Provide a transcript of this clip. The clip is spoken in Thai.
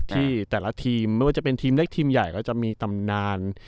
ที่แต่ละทีมไม่ว่าจะเป็นทีมเล็กทีมใหญ่ก็จะมีตำนาน